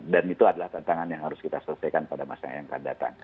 itu adalah tantangan yang harus kita selesaikan pada masa yang akan datang